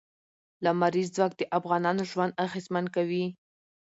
لمریز ځواک د افغانانو ژوند اغېزمن کوي.